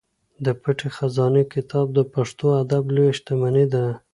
د پټې خزانې کتاب د پښتو ادب لویه شتمني ده.